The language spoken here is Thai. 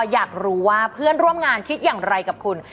อยากรู้ว่าเพื่อนร่วมงานคิดอย่างไรกับคุณ